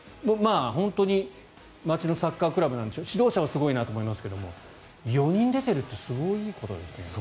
本当に街のサッカークラブ指導者はすごいなと思いますが４人出ているってすごいことですね。